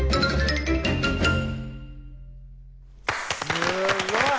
すごい！